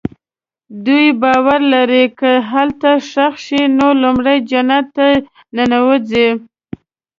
دوی باور لري که دلته ښخ شي نو لومړی جنت ته ننوځي.